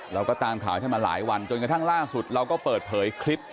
เราก็ตามข่าวท่านมาหลายวันจนกระทั่งล่าสุดเราก็เปิดเผยคลิป